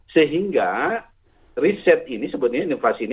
sehingga riset ini sebenarnya inovasi ini